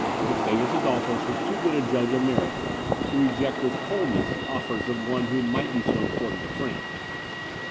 Gustavus Adolphus was too good a judge of merit to reject with coldness the offers of one who might be so important a friend.